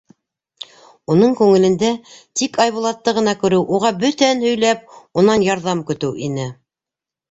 Уның күңелендә тик Айбулатты ғына күреү, уға бөтәһен һөйләп, унан ярҙам көтөү ине.